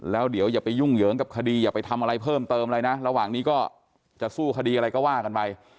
แล้วเดี๋ยวอย่าไปยุ่งเหยิงกับคดีอย่าไปทำอะไรเพิ่มเติมอะไรนะระหว่างนี้ก็จะสู้คดีอะไรก็ว่ากันไป